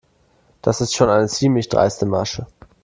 Das ist schon eine ziemlich dreiste Masche.